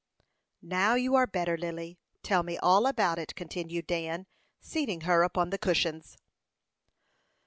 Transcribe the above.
"Now you are better, Lily, tell me all about it," continued Dan, seating her upon the cushions.